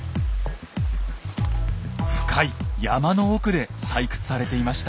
深い山の奥で採掘されていました。